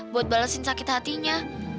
buat balesin sakit hatinya